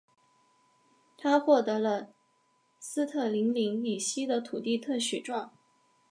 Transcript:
他获得了斯特林岭以西的土地特许状。